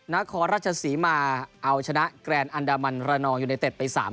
นาคอรัชศรีมาเอาชนะแกรนด์อันดามันรณองยูในเต็ดไป๓๑นะครับ